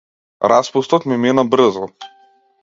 Распустот ми мина брзо.